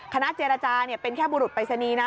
คณะเจรจาเป็นแค่บุรุษไปสนีนะ